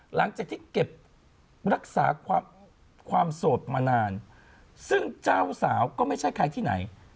หลังจากที่เก็บรักษาความโสดมานานซึ่งเจ้าสาวก็ไม่ใช่ใครที่ไหน